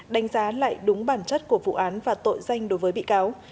đánh giá lại đúng bản chất của vụ án và tội danh đối với bị cáo